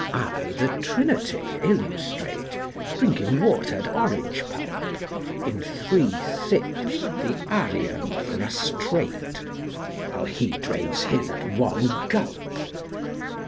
I the Trinity illustrate, Drinking watered orange pulp In three sips the Arian frustrate; While he drains his at one gulp.